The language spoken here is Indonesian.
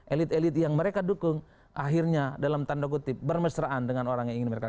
elit elit yang mereka dukung akhirnya dalam tanda kutip bermesraan dengan orang yang ingin mereka